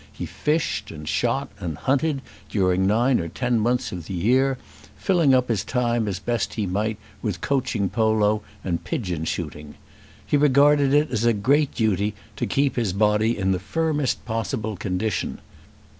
He fished and shot and hunted during nine or ten months of the year, filling up his time as best he might with coaching polo, and pigeon shooting. He regarded it as a great duty to keep his body in the firmest possible condition.